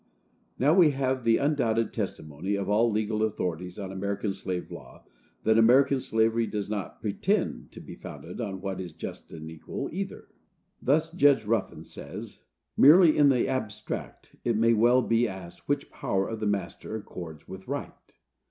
Now, we have the undoubted testimony of all legal authorities on American slave law that American slavery does not pretend to be founded on what is just or equal either. Thus Judge Ruffin says: "Merely in the abstract it may well be asked which power of the master accords with right.